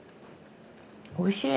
おいしい！